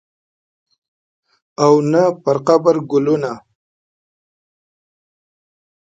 او نه پرقبر ګلونه